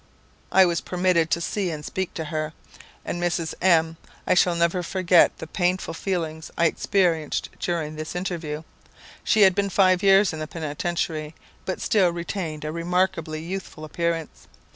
I was permitted to see and speak to her; and Mrs. M , I never shall forget the painful feelings I experienced during this interview. She had been five years in the Penitentiary, but still retained a remarkably youthful appearance.